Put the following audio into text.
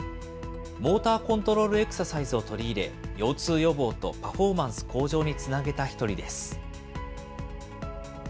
モーターコントロールエクササイズを取り入れ、腰痛予防とパフォーマンス向上につなげた１人です。